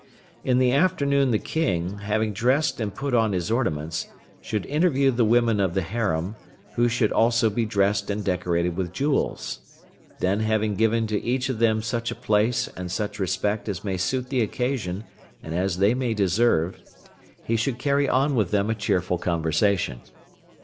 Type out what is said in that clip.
In the afternoon the King, having dressed and put on his ornaments, should interview the women of the harem, who should also be dressed and decorated with jewels. Then having given to each of them such a place and such respect as may suit the occasion and as they may deserve, he should carry on with them a cheerful conversation.